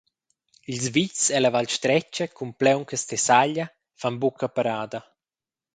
Ils vitgs ella Val stretga cun plauncas tessaglia fan buca parada.